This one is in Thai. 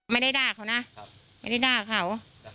ไม่ได้ด่าเขานะไม่ได้ด่าเขา